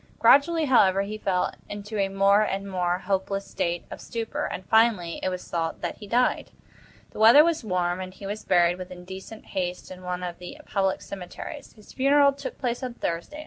Gradually, however, he fell into a more and more hopeless state of stupor, and, finally, it was thought that he died. The weather was warm, and he was buried with indecent haste in one of the public cemeteries. His funeral took place on Thursday.